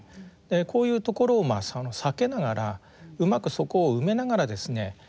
こういうところを避けながらうまくそこを埋めながらですね